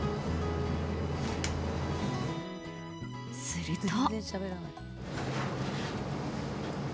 すると。